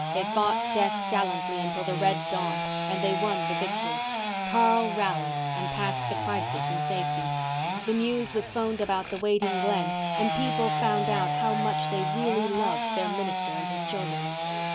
They fought death gallantly until the red dawn and they won the victory. Carl rallied and passed the crisis in safety. The news was phoned about the waiting Glen and people found out how much they really loved their minister and his children.